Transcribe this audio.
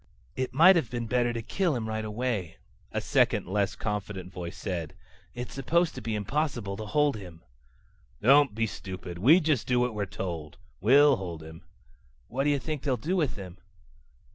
"It might have been better to kill him right away," a second, less confident voice said. "It's supposed to be impossible to hold him." "Don't be stupid. We just do what we're told. We'll hold him." "What do you think they'll do with him?"